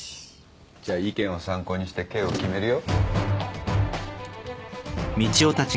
じゃ意見を参考にして刑を決めるよ。